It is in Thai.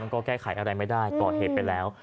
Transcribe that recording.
ก็แก้ไขอะไรไม่ได้ก่อเหตุไปแล้ว